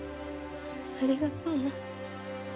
ありがとな。